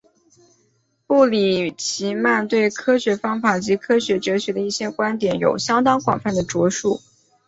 布里奇曼对科学方法及科学哲学的一些观点有相当广泛的着述。